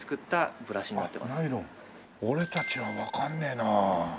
俺たちはわかんねえな。